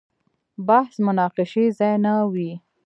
بحث مناقشې ځای نه وي.